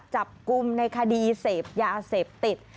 จับกลุ่มในคดีเสพยาเสพติด